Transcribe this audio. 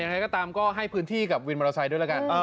ใครก็ตามก็ให้พื้นที่กับวินมอเตอร์ไซค์ด้วยแล้วกัน